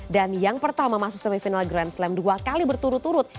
dan yang pertama masuk semifinal grand slam dua kali berturut turut